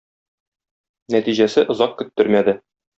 Нәтиҗәсе озак көттермәде.